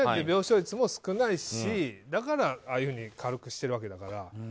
病床率も少ないしだからああいうふうに軽くしてるわけだから。